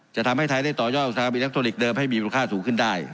จะทำให้ไทยได้ต่อย่อสถานการณ์อินักโทรธิกส์เดิมให้มีมูลค่าสูงขึ้นได้